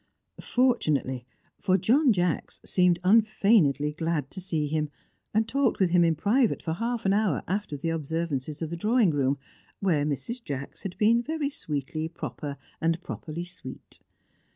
Fortunately; for John Jacks seemed unfeignedly glad to see him, and talked with him in private for half an hour after the observances of the drawing room, where Mrs. Jacks had been very sweetly proper and properly sweet.